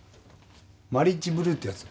マリッジブルーってやつ？